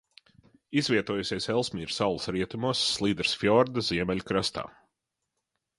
Izvietojusies Elsmīra salas rietumos Slidres fjorda ziemeļu krastā.